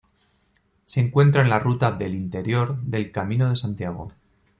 Se encuentra en la ruta del interior del Camino de Santiago.